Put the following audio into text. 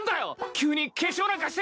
急に化粧なんかして！